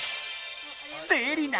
セリナ！